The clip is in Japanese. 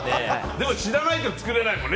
でも知らないと作れないもんね。